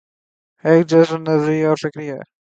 ایک جزو نظری اور فکری ہے۔